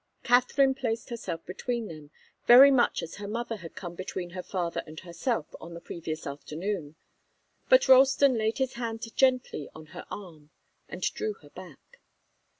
Katharine placed herself between them, very much as her mother had come between her father and herself on the previous afternoon. But Ralston laid his hand gently on her arm, and drew her back.